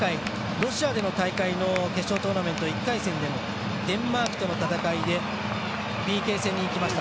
ロシアでの大会での決勝トーナメント１回戦でもデンマークとの戦いでＰＫ戦にいきました。